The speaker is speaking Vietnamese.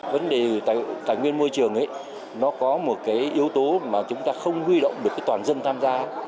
vấn đề tài nguyên môi trường nó có một cái yếu tố mà chúng ta không huy động được toàn dân tham gia